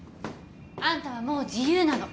あんたはもう自由なの。